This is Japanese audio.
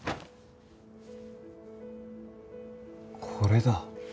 これだ。